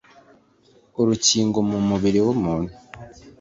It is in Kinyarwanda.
urugingo mu mubiri w umuntu